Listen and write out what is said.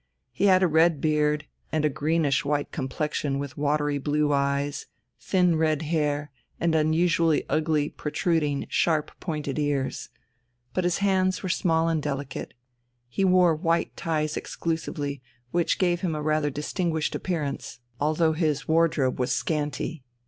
He had a red beard and a greenish white complexion with watery blue eyes, thin red hair, and unusually ugly, protruding, sharp pointed ears. But his hands were small and delicate. He wore white ties exclusively, which gave him rather a distinguished appearance, although his wardrobe was scanty.